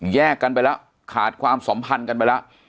แยกกันไปแล้วขาดความสัมพันธ์กันไปแล้ว